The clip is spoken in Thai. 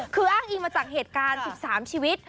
คืออ้างอิงมาจากเหตุการณ์๑๓ชีวิต